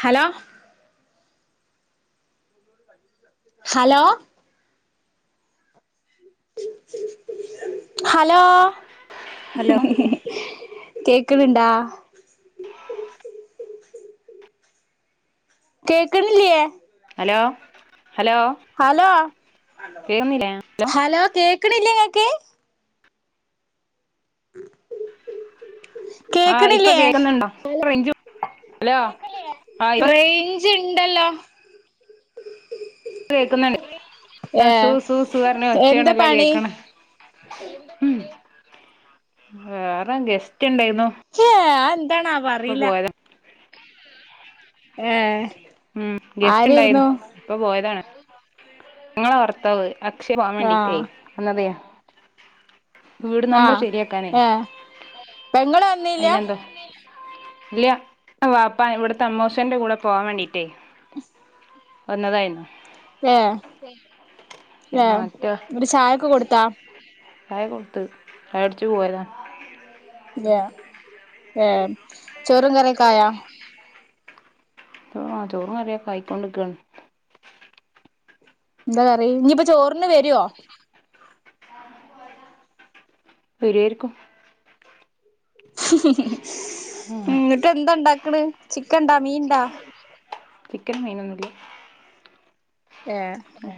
Hello hello hello hello കേക്ക്‌ണുണ്ടാ കേൾക്കണില്ലിയെ hello hello hello hello കേക്കണില്ലേ നിങ്ങക്ക് ആഹ് ഇപ്പൊ കേക്ക്ണില്ലേ കേൾക്കുന്നുണ്ടോ റേഞ്ച് ഹലോ കേൾക്കന്നില്ലേ ഇപ്പ- റേഞ്ച് ഇണ്ടല്ലോ ഞാ കേക്കുന്നുണ്ട് സു ഏഹ് സു സു പറഞ്ഞ എന്താ ഒച്ചയാണല്ലോ പണി കേക്കണേ ഉം വേറെ ഗസ്റ്റ് എണ്ടായിരുന്നു ച്ചേ എന്താണാവോ അറിയില്ല ഏയ് ഉം ഗെസ്റ്റ് ഇണ്ടായിരുന്നു ഇപ്പൊ പോയതാണ് നിങ്ങടെ ഭർത്താവ് അക്ഷയ പോകാൻ ആഹ് വേണ്ടിട്ടേ അന്നതെ വീട് നമ്പറ് ആഹ് ശരിയാക്കാനേ ഏഹ് പെങ്ങള് വന്നീല്ല അയിന എന്താ ഇല്ല വാപ്പാ ഇവിടത്തെ അമ്മൂശന്റെ കൂടെ- പോവാൻ വേണ്ടീട്ടേ വന്നതായിരുന്നു ഏഹ ഏ പിന്നെ മറ്റേ എന്നിട്ട് ചായ ഒക്കെ കൊടുത്താ ചായ കൊടുത്ത് ചായ കുടിച്ചു പോരുന്ന് ഏഹ ഏഹ [unintelligible] ചോറും കറിയൊക്കെ ആയൊ ആ ചോറും കറിയൊക്കെ ആയികൊണ്ട് നില്ക്കുവാണ് എന്താ കറി ഇനിയിപ്പ ചോറിന് വരുവോ വരുവായിരിക്കും എന്നിട്ട് എന്താ ഉണ്ടാക്കണ് ചിക്കൻ ഇണ്ടാ മീൻണ്ടാ ചിക്കനും മീനും ഒന്നുമില്ല ഏ [unintelligible] ഏ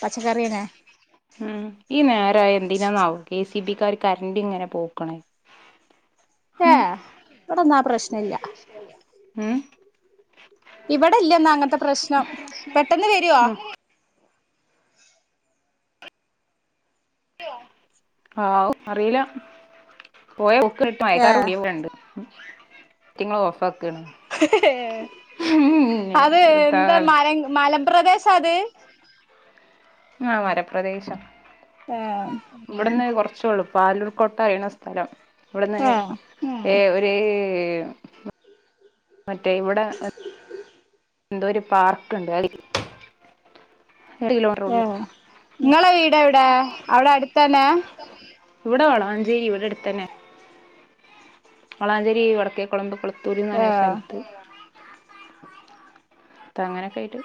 പച്ചക്കറിടെ ഉം ഈ നേരായാ എന്തിനാന്നാവോ കെ സീ ബി ക്കാർ കരണ്ട് ഇങ്ങനെ പോക്ക്ണേ ഏഹ് ഇവിടെ ഒന്നും ആ പ്രശ്നയില്ല ഉം ഇവിടെയില്ലന്ന് അങ്ങത്തെ പ്രശ്നം പെട്ടെന്ന് വരോ ഉം ആവു അറീല പോയ പോക്ക് കണ്ട് ഏ മയക്കാർ കൂടിയപോലെ ഉണ്ട് റ്റിങ്ങൾ ഓഫാക്കാണ് [unintelligible] ഏഹ് അത് എന്താ ഇതാണ് മല മലപ്രദേശം ആ അത് ആഹ് മലപ്രദേശം ആഹ് ഇവ്ട്ന്ന് കൊറ്ച്ചൊള്ളൂ പാലൂർക്കൊട്ട കയ്ണ സ്ഥലം ഏ ഇവട്ന്ന്- ഏ ഒര് [unintelligible] മറ്റേ ഇവിടെ എന്തോരു പാർക്ക്ണ്ട് അ- ഉള്ളൂ ആഹ് നിങ്ങളെ വീട് എവിടെ അവിടെ അടുത്ത് തന്നെയാ ഇവ്ടെ വളാഞ്ചേരി ഇവ്ടെ അടുത്തന്നെ വളാഞ്ചേരി ഇ വടക്കെ കൊളമ്പ് കൊള.. ഏ [unintelligible] സ്ഥല്ത്ത് അങ്ങനെക്കെയിട്ട്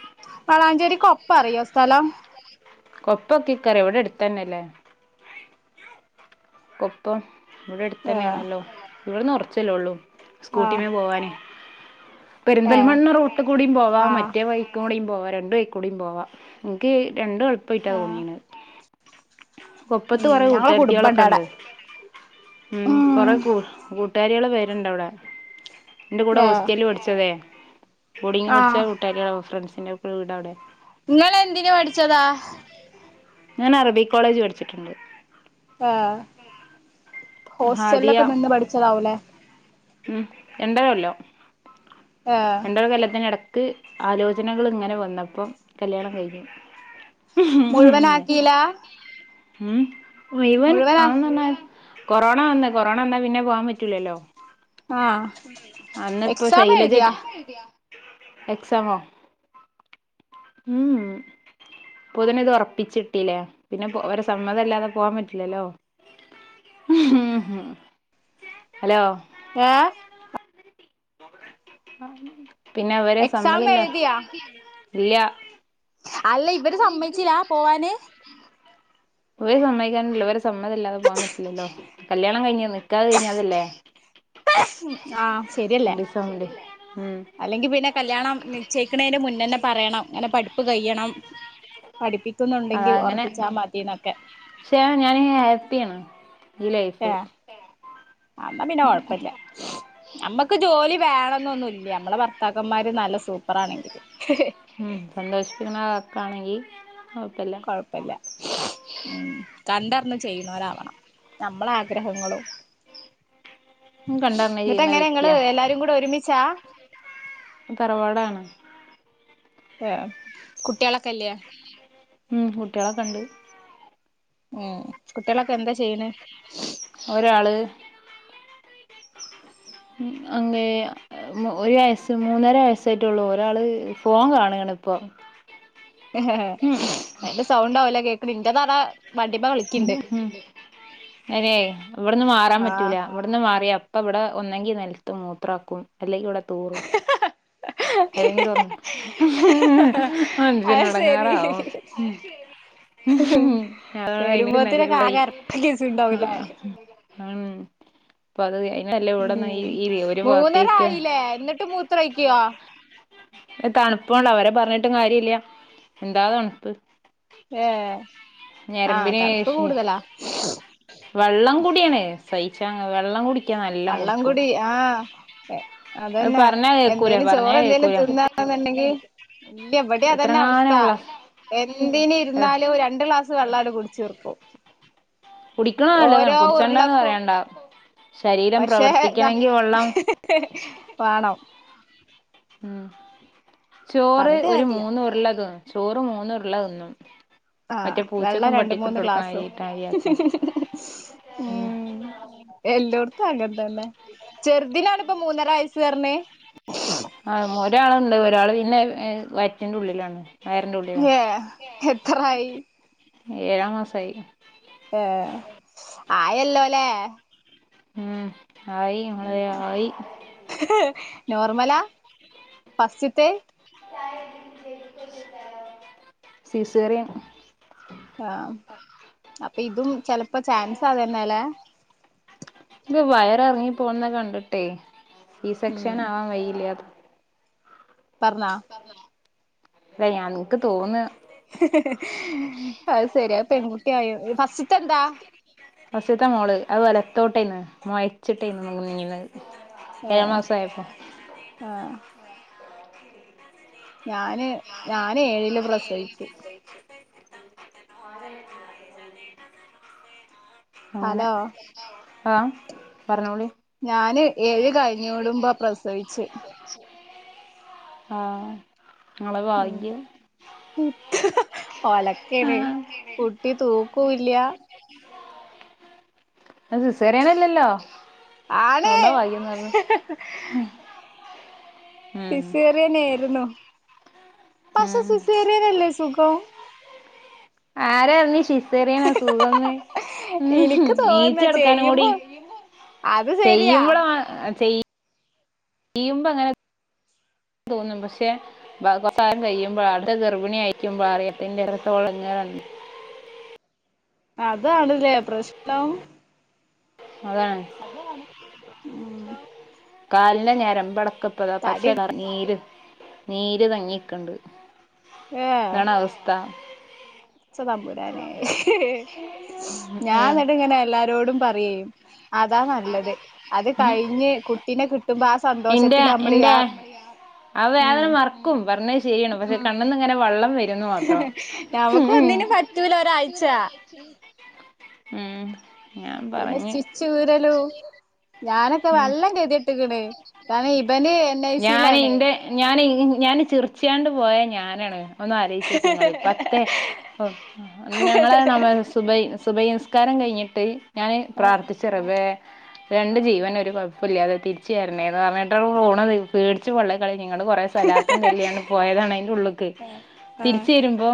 വളാഞ്ചേരിക്കൊപ്പറിയോ സ്ഥലം കൊപ്പൊക്കെ എനിക്കറിയാം ഇവിടെ അടുത്ത് തന്നെയല്ലേ കൊപ്പം. ഇവിടെ അടുത്ത് ഏ തന്നെയാണല്ലോ ഇവിടുന്ന് കുറച്ചല്ലേ ഉള്ളൂ ആ സ്കൂട്ട് വേണം പോവാന്. ഏ പെരിന്തൽമണ്ണ് റൂട്ട് കൂടെ പോവാം ആ മറ്റേ വഴിക്കൂ ക്കാണ് പോവാം രണ്ട് വഴിക്കൂടെയും പോവാം എനിക്ക് രണ്ടും കൊഴപ്പം ഇല്ലാതെ ആ തോന്നുന്നത്. കൊപ്പത്ത് ഉം കൊറെ ഞങ്ങളെ കുടുംബണ്ട് അവിടെ കൂട്ടുകാരിയെത്തികളുണ്ട്. ഉം കൊറെ കൂ കൂട്ടുകാരികൾ വരേണ്ട് അവിടെ. എന്റെ കൂടെ ഏ ഹോസ്റ്റലിൽ പഠിച്ചവർ ബോർഡിങ്ങ് പഠിച്ചേ ആഹ് കൂട്ടുകാരികളും ഫ്രണ്ട്‌സിന്റെ ഒക്കെ വീട് അവിടെയാ. നിങ്ങളെയെന്തിന് പഠിച്ചതാ? ഞാൻ അറബി കോളേജിൽ പഠിച്ചിട്ടുണ്ട്. ആഹ് ഹോസ്റ്റൽ ഹാദിയ ഒക്കെ പഠിച്ചതാവൂല്ലേ? ഉം രണ്ട് കൊല്ലം ആഹ് ഒരു കൊല്ലത്തിനിടയ്ക്ക് ആലോചനകൾ ഇങ്ങനെ വന്നപ്പം കല്യാണം കഴിഞ്ഞു. മുഴുവൻ ആക്കിയില്ല്യ. ഉം മുഴുവൻ. മുഴുവനാ [unintelligible] കൊറോണ വന്ന് കൊറോണ വന്നാൽ പിന്നെ പോവാൻ പറ്റൂലല്ലോ. ആഹ് ഉം അന്ന് ഇപ്പൊ എക്സാം ഷൈലജ എഴുതിയാ എക്സാം എഴുതിയോ, എക്സാമോ? ഉം അപ്പൊതന്നെ ഇത് ഉറപ്പിച്ചിട്ടില്ലേ പിന്നെ ഇപ്പൊ ഓരെ സമ്മതമല്ലാതെ പോവാൻ പറ്റില്ലല്ലോ. ഉം ഹലോ ഏഹ് പിന്നെ അവരെ എക്സാം സമ്മതമില്ലാതെ എഴുതിയാ എക്സാം എഴുതിയോ, ഇല്ല്യാ. അല്ല ഇവര് സമ്മതിച്ചില്ലേ പോവാനെ. ഇവര് സമ്മതിക്കാനയൊന്നുമില്ല ഓരെ സമ്മതമില്ലാതെ പോവാൻ പറ്റില്ലല്ലോ കല്യാണം കഴിഞ്ഞന്ന്. നിക്കാഹ് കഴിഞ്ഞ അതെല്ലേ, ആഹ് രണ്ട് ദിവസയേണ്ട ഉം. അല്ലെങ്കിൽ പിന്നെ കല്യാണം നിശ്ചയിക്കേണിൻ്റെ മുന്നേ തന്നെ പറയണം, ഇങ്ങനെ പഠിപ്പ് കഴിയണം. അത പഠിപ്പിക്കുന്നുണ്ടെങ്കിൽ അങ്ങനെ ഉറപ്പിച്ചാൽ മതിയെന്നൊക്കെ. പക്ഷെ ഞാനേ ഹാപ്പി ആണ്. ഏഹ് അന്നാ പിന്നെ കൊഴപ്പമില്ല. നമ്മക്ക് ജോലി വേണമെന്നൊന്നുമില്ല്യ ഞമ്മടെ ഭർത്താക്കന്മാര് നല്ല സൂപ്പറാണെങ്കിൽ. ഉം സന്തോഷിപ്പിക്കണേ വാക്കാണെങ്കിൽ കൊഴപ്പമില്ല. കൊഴപ്പമില്ല ഉം കണ്ടറിഞ്ഞ് ചെയ്യുന്നവർ ആവണം. നമ്മളാ ആഗ്രഹങ്ങളും. കണ്ടറിഞ്ഞ് എന്നിട്ട് ചെയ്യുന്ന എങ്ങനെ നിങ്ങള് വ്യക്തിയാ എല്ലാരും കൂടെ ഒരുമിച്ചാ? തറവാടാണ്. ഏഹ് കുട്ടികളൊക്കെ ഇല്ലേ. ഉം കുട്ടികളൊക്കെ ഉണ്ട്. ഉം കുട്ടികളൊക്കെ എന്താ ചെയ്യണ്. ഒരാള് ഉം അങ്ങയാ ഒരു വയസ്സും മൂന്നര വയസ്സായിട്ടുള്ളൂ, ഒരാള് ഫോൺ കാണാണ് ഇപ്പൊ. ഉം അയിന്റെ സൗണ്ട് ആവുലെ കേക്കണ് ഇന്റെ അതാ. അതെ ഇവിടുന്ന് മാറാൻ ആഹ് പറ്റൂല. ഇവിടുന്ന് മാറിയ അപ്പൊ ഇവിടെ ഒന്നെങ്കിൽ നിലത്ത് മൂത്രമാക്കും അല്ലെങ്കിൽ ഇവിടെ തൂറും. ഏതെങ്കിലും ഒന്ന് അഞ്ചിന് അത് ശരി എടങ്ങേറാവും ഉം. [unintelligible] ആഹ്. വരുമ്പോത്തിനൊക്കെ ആകെ അരപ്പ കേസുണ്ടാവൂലേ ആഹ് അപ്പൊ അത് അയിനെട്ടല്ലേ ഇവിടുന്ന് ഈ ഈ. [unintelligible] ഏഹ് എന്നിട്ട് മൂത്രയ്ക്കുവോ? തണുപ്പുയൊണ്ട് അവരെ പറഞ്ഞിട്ടും കാര്യയില്ല്യ, എന്താ തണുപ്പ്. ഏ ആ ഞരമ്പിന് തണുപ്പ് കൂടുതലാ വെള്ളം കുടിയാണ് സയിച്ചാങ്‌ വെള്ളം കുടി വള്ളങ്കുടി ആഹ് എ അത് അതന്നെ പറഞ്ഞാ കേക്കൂല എന്തേലും പറഞ്ഞാ ചോറ് എന്തേലും കേക്കൂല തിന്നാന്ന്ണ്ടെങ്കി ഇല്ല ഇവിടെതന്നവസ്ഥ എത്രങ്ങാനും ഗ്ലാസ് എന്തിന് ഇരുന്നാലും രണ്ട് ക്ലാസ് വെള്ളാട് കുടിച്ചീർക്കും കുടിക്ണെ നല്ലതാണ് കുടിച്ചണ്ടാന്ന് ഉരുളക്കും പറയണ്ട ശരീരം പക്ഷേ പ്രവർത്തിക്കണെങ്കി വെള്ളം പാണം മ് ചോറ് പറഞ്ഞിട്ട് ഒരു കാര്യല്ല മൂന്നുരുളതി ചോറ് മൂന്നുരുള തിന്നും മറ്റേ ആഹ് വെള്ളം പൂച്ചക്കും രണ്ട് പട്ടിക്കും ഇട്ട് മൂന്ന് കൊടുക്കണ ക്ലാസും മാരിയാക്ക ഉം എല്ലോട്ത്തും അങ്ങൻതന്നെ ചെർദിനാണ് ഇപ്പം മൂന്നര വയസ്സ് പറഞ്ഞേ ആ ഒരാളുണ്ട് ഒരാള് പിന്നെ വയറ്റിന്റുള്ളിലാണ് വയറിന്റുള്ളിലാ ഏഹ് എത്രായി ഏഴാമാസായി ഏഹ് ആയല്ലോ ലേ ഉം ആയി മളെ ആയി നോർമല ഫസ്റ്റിത്തെ സിസേറിയം ആഹ് അപ്പൊ ഇതും ചെൽപ്പോ ചാൻസതന്നലെ ഇത് വയർ എർങ്ങി പോന്ന കണ്ടിട്ടെ സി ഉം സെക്ഷൻ ആവാൻ വൈയില്ല അത് പർഞ്ഞാ [unintelligible] ൻക്ക് തോന്ന അത് ശരി അത് പെൺകുട്ടിയായ ഫസ്റ്റ്ത്തെ എന്താ ഫസ്റ്റിത്തെ മോള് അത്‌ വലത്തോട്ടേന്ന് മൊയച്ചിട്ടേന്ന് നിന്നിന്നെ ഏഹ് ആഹ് ഞാന് ഞാന് ഏഴില് ഞാന് എയില് പ്രസവിച്ചു അങ്ങനെ ഹലോ ആഹ് പറഞ്ഞോളി ഞാന് ഏഴ് കഴിഞ്ഞോടുമ്പ പ്രസവിച്ച് ആഹ് ഇങ്ങളെ വാഗ്യം ഒലക്കെണ് ആഹ് കുട്ടി തൂക്കുല്ല സിസേറിയനല്ലല്ലോ ആണ് അതോണ്ടോ ഭാഗ്യം ന്ന് പർഞ്ഞെ സിസേറിയനെയിരുന്നു പക്ഷെ ഉം സിസേറിയനല്ലേ സുഖം ആരെർഞ് ശീ സിസേറിയന സുഖംന്ന് എനിക്ക് തോന്നുന്ന നീച്ചെടുക്കാനും കൂടി ചെയ്യുമ്പോ അത് ശരിയാ ചെയ് ചെയ്യുമ്പോ അങ്ങനെ തോന്നും പക്ഷെ കുറെ കാലം കഴിയുമ്പോ അട്ത്തെ ഗർഭിണി ആയിരിക്കുമ്പോ [unintelligible] അതാണ് ലെ പ്രശ്നം അതാണ് ഉം കാലിന്റെ ഞരമ്പടക്ക തടി [unintelligible] നീര് നീര് തങ്ങിക്ക്ണ്ട് ഏഹ് ദാണവസ്ഥ പടച്ച തമ്പുരാനെ ഏ ഞാൻന്നട്ട്ങ്ങനെ എല്ലാരോടും പറയെ അതാ നല്ലത് അത് ഉം കഴിഞ്ഞ് കുട്ടിനെ കിട്ടുമ്പോ ആ സ് ഇന്റെ ഇന്റെ ആ വേദന ഉം മറക്കും പറഞ്ഞയ്‌ ശരിയാണ് പക്ഷെ കണ്ണ്ന്ന് ങ്ങനെ വള്ളം വര് ഞമ്മക്ക് ഒന്നിനും പറ്റൂല ഒരാഴ്ച ഉം ഞാൻ പിന്നെ പറഞ്ഞ് സ്റ്റിച്ച് ഊരലും ഞാനൊക്കെ ഉം വല്ലം കേതിട്ട്ക്കണ് കാരണം ഇവന് എൻ ഐ സിയിലാണ് ഞാനേ ഞാന് ചിറിച്ചോണ്ട് പോയ ഞാനാണ് ഒന്നാലോയ് [unintelligible] ഞങ്ങളു പോയി. പത്തേ ഞങ്ങളെ നമ്മള് സുബൈ സുബഹിനിസ്കാരം കഴിഞ്ഞിട്ട് ഞാന് പ്രാർത്ഥിച് [unintelligible] രണ്ട് ജീവന് ഒരു കുഴപ്പല്യാതെ തിരിച്ചുതരണേന്ന് പറഞ്ഞിട്ടാ പോണത് പേടിച്ചു പൊള്ളേം കളി നിങ്ങള് കൊറേ സലാത്തും ചൊല്ലിയാണ് പോയതാണ് അതിൻ്റെ ഉള്ള്ക്ക് ആഹ് ആഹ് തിരിച്ചു വരുമ്പോ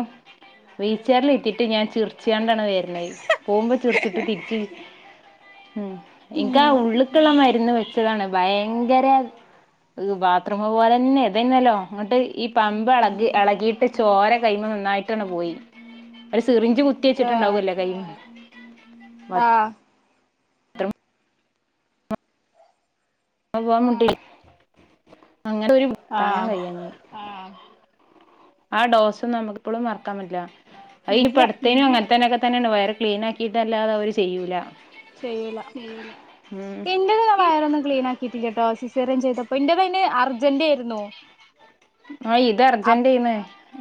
വീസിആറിലിട്ടിട്ട് ഞാൻ ചിറിച്ചാണ്ടാണ് വരണത് പോകുമ്പോ ചിറിച്ചിട്ട് തിരിച്ച് ഉം ഇന്കാ ഉം ഉള്ളിക്കുള്ള മരുന്ന് വെച്ചതാണ് ഭയങ്കര ബാത്റൂം പോലെ തന്നെ ഇതന്നല്ലോ അങ്ങോട്ട് ഈ പമ്പ് എളകി ഉം എളകിയിട്ട് ചോര കയ്യുമ്മേന്ന് നന്നായിട്ടാണ് പോയി ഒരു സിറിഞ്ച് കു ആഹ് ത്തിവച്ചിട്ടണ്ടാവൂല്ലല്ലേ കയ്യീ ആഹ് [unintelligible] പോവാൻ മുട്ടി അങ്ങനൊരു താങ്ങാൻ ആഹ് കഴിയാഞ്ഞ് ആ ഡോസ് നമുക്കിപ്പളും മറക്കാമ്പറ്റില്ല ഇല്ല അതിലിപ്പടു തേനും അങ്ങനത്തന്നയൊക്കെ തന്നെയാണ് വയറ് ക്ലീനാക്കിയിട്ടല്ലാതെ അവര് ചെയ്യൂല ചെയ്യൂല ഉം എന്റെത് വയറൊന്ന് ക്ലീനാക് കിത്തി കേട്ടോ സിസേറിയൻ ചെയ്തപ്പോ എന്റതയിന് അർജന്റായിരുന്നു ആഹ് ഇത് അപ് അർജന്റായ്ന്ന്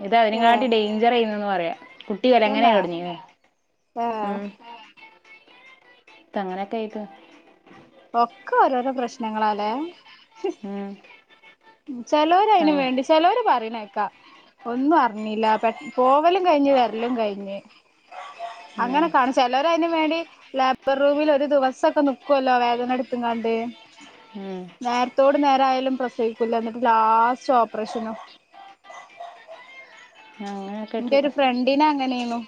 ഇത് ഏഹ് അതിനെകാട്ടി ഡെയിഞ്ചർ ആയീന്ന് പറയാ [unintelligible] തന്നെ എങ്ങനായിതൊടിഞ്ഞ് ഏഹ് ഉം തങ്ങനൊക്കെയായിട്ട് ഒക്കെ ഓരോരോ പ്രശ്നങ്ങളാലേ ഉം ഉം ചെലോര് അയിന് തങ്ങ വേണ്ടി ചെലോര് പറയ്ണകേക്കാ ഒന്നും അറിഞ്ഞില്ല പ പോവലും കഴിഞ്ഞ് വരലും കഴിഞ്ഞ് ഉം അങ്ങനെ കാണും ചെലോര് അതിനും വേണ്ടി ലേബർ റൂമിൽ ഒരു ദിവസൊക്കെ നി ക്കുവല്ലോ വേദന എടുത്തുംകാണ്ട് ഉം നേരത്തോട് നേരായാലും പ്രസവി ല്ല എന്നിട്ട് ലാസ്റ്റ് ഓപ്പറേഷനാ ആഹ് ഇന്റൊരു ഫ്രണ്ടിന് അങ്ങനെയ്ന്നു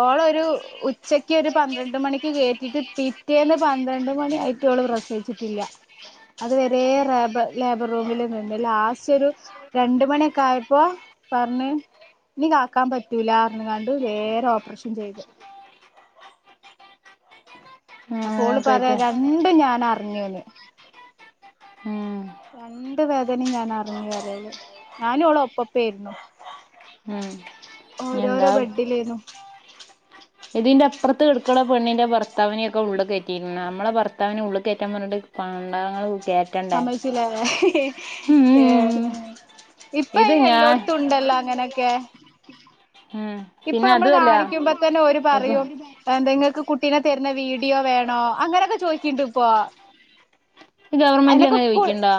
ഓളൊരു ഉച് ഉച്ചക്ക് ഒരു പന്ത്രണ്ട് മണിക്ക് കയറ്റിയിട്ട് പിറ്റേന്ന് പന്ത്രണ്ട് മണി ആയിട്ടോള് പ്രസവിച്ചിട്ടില്ല. അത് വരേ റേബ ലേബർ റൂമിലര്ന്നു ന്നെ ലാസ്റ്റൊരു രണ്ട് മണിയൊക്കെ ആയപ്പോ പറഞ്ഞ് ഇനി കാക്കാൻ പറ്റൂല പറഞ്ഞ്ങ്കാണ്ട് നേരെ ഓപ്പറേഷൻ ചെയ്ത് അപ്പ ഓള് അങ്ങനെയൊക്കെ പറയാ ആയിട്ട് രണ്ടും ഞാൻ അറിഞ്ഞൂന്ന് ഉം രണ്ട് വേദനയും ഞാൻ അറിഞ്ഞു വരവ് ഞാനും ഓളും ഒപ്പപ്പേര്ന്നു ഉം ഓരോരോ എന്താ ബഡ്ഡിലേര്ന്നു ഇതിന്റെ അപ്പുറത്ത് കടക്കണ പെണ്ണിന്റെ ഭർത്താവിനെ ഒക്കെ ഉള്ളി കയറ്റിയിരുന്നു നമ്മള ഭർത്താവിനെ ഉള്ളിക്കയറ്റാൻ പറഞ്ഞിട്ട് പണ്ടങ്ങ സമ്മയ്ച്ചില്ലാല്ലേ ഏഹ് ഉം ഇപ്പ ഇത് അയിന് ഞാൻ എല്ലോടത്തുംണ്ടല്ലോ അങ്ങനെക്കെ ഉം ഇപ്പൊ പിന്നെ നമ്മള് അതുമല്ല കാണിക്കുമ്പോ തന്നെ ഓര് ഇപ്പൊ പറയും. അതെന്തെങ്ങക്ക് കുട്ടീനെ തരുന്ന വീഡിയോ വേണോ അങ്ങനൊക്കെ ചോയിക്കിണ്ട് ഇപ്പോ ഗവൺമെന്റിൽ അയിനൊക്കെ അങ്ങനെ കുൾ ചോദിക്കണ്ടോ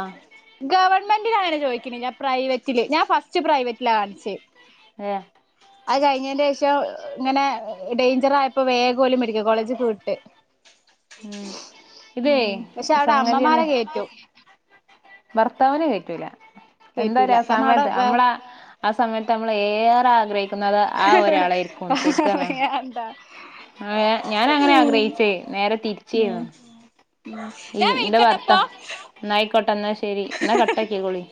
ഗവൺമെന്റിലങ്ങനെ ചോയിക്കിണില്ല പ്രൈവറ്റില് ഞാൻ ഫസ്റ്റ് പ്രൈവറ്റിലാ കാണിച്ചേ ഏഹ് അത് കഴിഞ്ഞേന്റെ ശേഷം ഇങ്ങനെ ഡേയിഞ്ചറായപ്പോ വേഗം ഓല് മെഡിക്കകോളേജ്ക്ക്‌ വിട്ട് ഉം ഇതേ സംഗാതിയാന്ന് റ്റും ഭർത്താവിനെ കയറ്റൂല എന്തായാലും കേറ്റൂല ആ കാരണം അവിടെ സമയത്ത് വേ അമ്മള ആ സമയത്ത് നമ്മൾ ഏറെ ആഗ്രഹിക്കുന്നത് ആ ഒരാളെആയിരിക്കും ശരിക്കറഞ്ഞാ അതെന്താ ആഹ്‌ ഞാനങ്ങനെ ആഗ്രഹിച്ചേ നേരെ ഉം തിരിച്ചെയ്ന്നു ഈ ഞാൻ ഇന്റെ ഭർത്ത വിളിക്കട്ടപ്പൊ എന്നായിക്കോട്ടെ എന്നാ ശരി എന്നാ കട്ടാക്കിക്കോളി